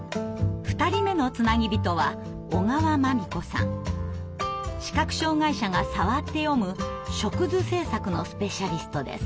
２人目のつなぎびとは視覚障害者が触って読む触図製作のスペシャリストです。